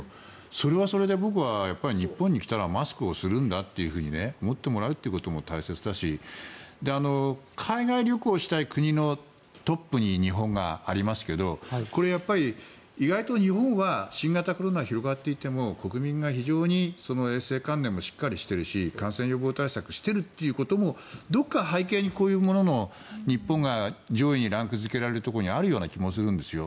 それはそれで僕は日本に来たらマスクをするんだと思ってもらえることも大切だし海外旅行したい国のトップに日本がありますけどこれ、やっぱり、意外と日本は新型コロナが広がっていても国民が非常に衛生関連もしっかりしているし感染予防対策していることもどこか背景にこういうものの日本が上位にランク付けられるところにある気がするんですよ。